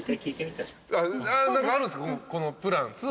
このプラン。